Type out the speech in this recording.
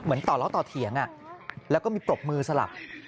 ต่อล้อต่อเถียงแล้วก็มีปรบมือสลับ